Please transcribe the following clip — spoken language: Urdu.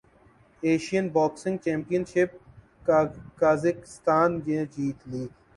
Asian boxing championship Kazakhstan نے جیت لی